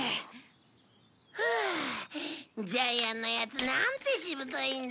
フゥジャイアンのヤツなんてしぶといんだ。